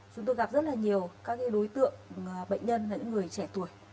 chúng tôi gặp rất là nhiều các đối tượng bệnh nhân là những người trẻ tuổi